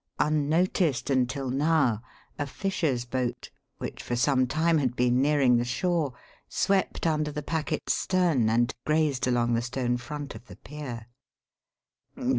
Unnoticed until now, a fisher's boat, which for some time had been nearing the shore, swept under the packet's stern and grazed along the stone front of the pier.